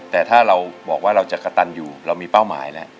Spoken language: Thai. แต่ถ้าเราบอกว่าเราจะกระตันอยู่เรามีเป้าหมายแล้ว